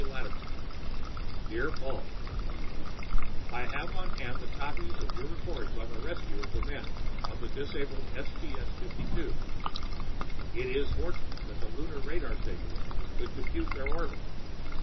D. Latimer Dear Paul, I have on hand the copies of your reports on the rescue of the men on the disabled STS 52. It is fortunate that the Lunar radar stations could compute their orbit.